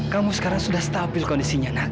kamu sekarang sudah stabil kondisinya